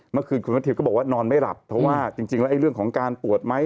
เมื่อคืนคุณแมททิวก็บอกว่านอนไม่หลับเพราะว่าจริงแล้วเรื่องของการปวดไหม